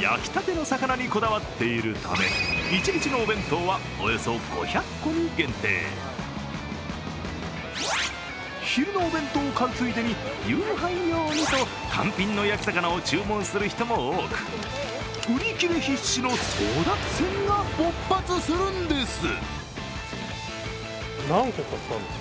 焼きたての魚にこだわっているため一日のお弁当はおよそ５００個に限定昼のお弁当を買うついでに夕飯用にと単品の焼き魚を注文する人も多く売り切れ必至の争奪戦が勃発するんです。